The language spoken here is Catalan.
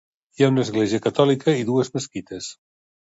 Hi ha una església catòlica i dues mesquites.